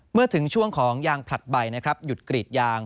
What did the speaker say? เมื่อถึงช่วงของยางผลัดใบนะครับหยุดกรีดยาง